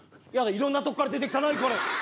いろんなとこから出てきた何これ。